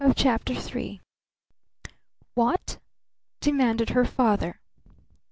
CHAPTER III "What?" demanded her father.